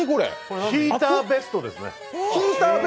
ヒーターベストですね。